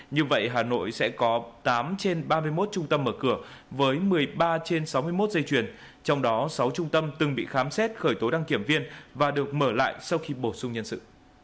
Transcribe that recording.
như vậy hà nội sẽ có tám trên ba mươi một trung tâm mở cửa với một mươi ba trên sáu mươi một dây chuyển trong đó sáu trung tâm từng bị khám xét khởi tố đăng kiểm viên và được mở lại sau khi bổ sung nhân sự